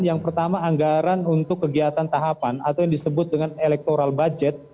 yang pertama anggaran untuk kegiatan tahapan atau yang disebut dengan electoral budget